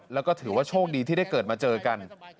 แล้วก็ถือว่าโชคดีที่ได้เกิดมาเจอกัน